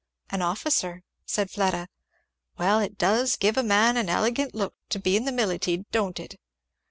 "An officer," said Fleda. "Well, it does give a man an elegant look to be in the militie, don't it?